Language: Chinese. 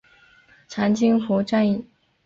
长津湖战役